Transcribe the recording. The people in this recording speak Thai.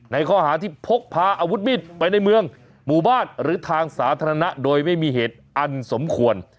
ในข้อหาที่พกพาอาวุธมีดไปในเมืองหมู่บ้านหรือทางสาธารณะโดยไม่มีเหตุอันสมควร